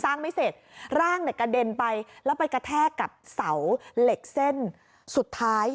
ไม่เสร็จร่างเนี่ยกระเด็นไปแล้วไปกระแทกกับเสาเหล็กเส้นสุดท้าย